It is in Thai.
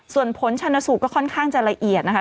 ส่วนผลชนสูตรก็ค่อนข้างจะละเอียดนะคะ